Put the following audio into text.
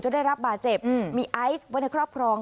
โจทย์ได้รับบาเจ็บมีไอซว่าในครอบครอง